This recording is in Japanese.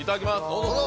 どうぞ！